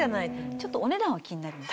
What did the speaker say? ちょっとお値段は気になります。